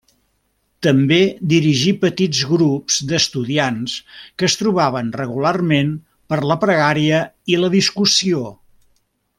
També dirigí petits grups d'estudiants que es trobaven regularment per la pregària i la discussió.